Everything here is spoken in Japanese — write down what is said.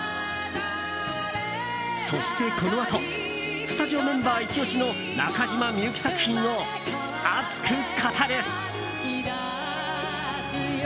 そしてこのあとスタジオメンバーイチ押しの中島みゆき作品を熱く語る。